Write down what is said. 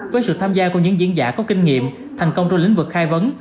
với sự tham gia của những diễn giả có kinh nghiệm thành công trong lĩnh vực khai vấn